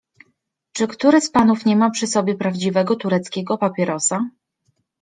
Czy który z panów nie ma przy sobie prawdziwego tureckiego papierosa?